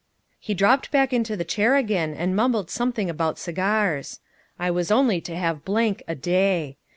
He dropped back into the chair again and mumbled something about cigars. I was only to have blank a day.